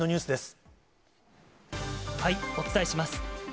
お伝えします。